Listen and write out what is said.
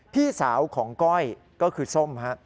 พี่สาวของก้อยก็คือส้มฮะ